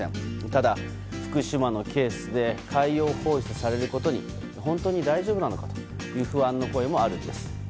ただ、福島のケースで海洋放出されることに本当に大丈夫なのかという不安の声もあるんです。